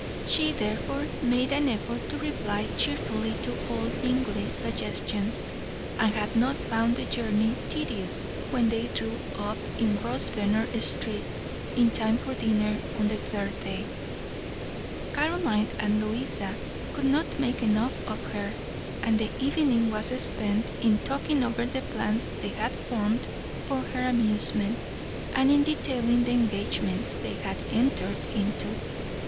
She, therefore, made an effort to reply cheerfully to all Bingley's suggestions, and had not found the journey tedious when they drew up in Grosvenor Street in time for dinner on the third day. Caroline and Louisa could not make enough of her, and the evening was spent in talking over the plans they had formed for her amusement, and in detailing the engagements they had entered into.